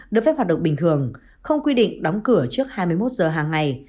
được phép hoạt động bình thường không quy định đóng cửa trước hai mươi một giờ hàng ngày